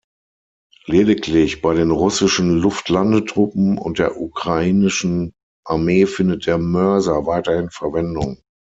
Lediglich bei den russischen Luftlandetruppen und der Ukrainischen Armee findet der Mörser weiterhin Verwendung.